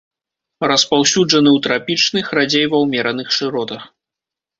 Распаўсюджаны ў трапічных, радзей ва ўмераных шыротах.